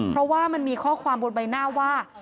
เพราะว่ามันมีข้อความบนใบหน้าว่า